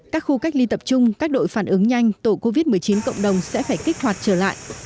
các khu cách ly tập trung các đội phản ứng nhanh tổ covid một mươi chín cộng đồng sẽ phải kích hoạt trở lại